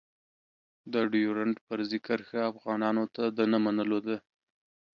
د ډېورنډ فرضي کرښه افغانانو ته د نه منلو ده.